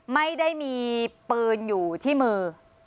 ไม่ได้มีปืนอยู่ที่มือ